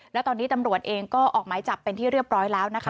แล้วตอนนี้ตำรวจเองก็ออกหมายจับเป็นที่เรียบร้อยแล้วนะคะ